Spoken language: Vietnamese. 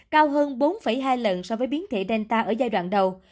cao hơn bốn hai lần so với biến thể delta ở giai đoạn đầu